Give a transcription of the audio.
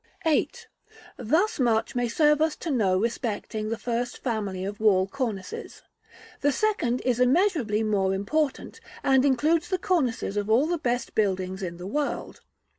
§ VIII. Thus much may serve us to know respecting the first family of wall cornices. The second is immeasurably more important, and includes the cornices of all the best buildings in the world.